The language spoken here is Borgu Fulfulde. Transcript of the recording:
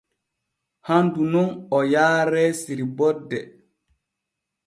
Handu nun o yaare sirborde.